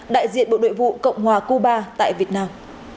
đại diện bộ nội vụ cộng hòa cuba tại việt nam